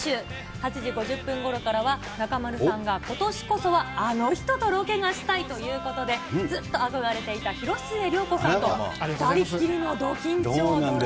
８時５０分ごろからは中丸さんが今年こそはあの人とロケがしたいということで、ずっと憧れていた広末涼子さんと２人きりのど緊張の旅。